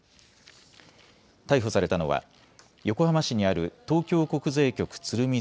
逮捕されたのは横浜市にある東京国税局鶴見